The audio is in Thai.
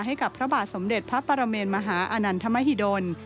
ให้กับพระบาทสมเด็จพระปรเมนมหาอานันทมหิดล